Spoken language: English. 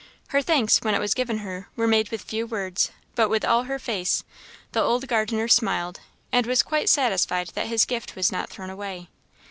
Her thanks, when it was given her, were made with few words, but with all her face; the old gardener smiled, and was quite satisfied that his gift was not thrown away.